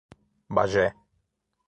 Bagé